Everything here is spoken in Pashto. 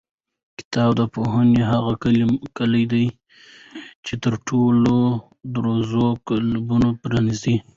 کتاب د پوهې هغه کلۍ ده چې د ټولو تړلو دروازو قلفونه پرانیزي.